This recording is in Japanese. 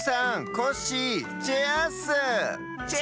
コッシーチェアーっす！